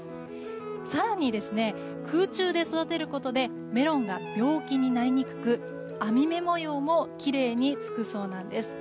更に空中で育てることでメロンが病気になりにくく網目模様もきれいにつくそうなんです。